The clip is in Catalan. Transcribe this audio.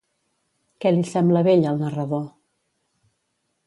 Què li sembla bell al narrador?